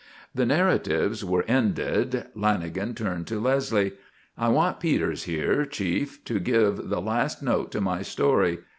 The narratives were ended. Lanagan turned to Leslie: "I want Peters here, Chief, to give the last note to my story.